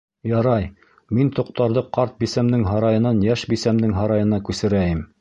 Ярай, мин тоҡтарҙы ҡарт бисәмдең һарайынан йәш бисәмдең һарайына күсерәйем.